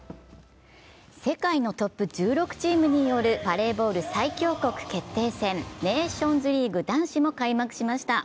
世界のトップ１６チームによるバレーボール最強国決定戦ネーションズリーグ男子も開幕しました。